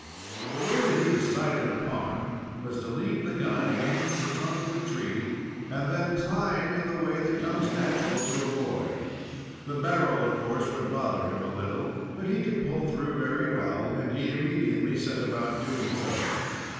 The way that he decided upon was to leave the gun against the trunk of the tree, and then climb in the way that comes natural to a boy. The barrel of course, would bother him a little, but he could pull through very well, and he immediately set about doing so.